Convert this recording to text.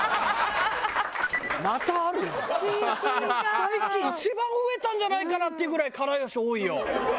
最近一番増えたんじゃないかなっていうぐらいから好し多いよ。